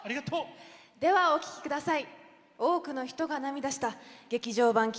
では、お聴きください。